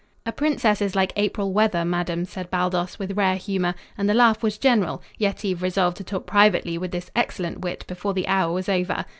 "A princess is like April weather, madam," said Baldos, with rare humor, and the laugh was general, Yetive resolved to talk privately with this excellent wit before the hour was over.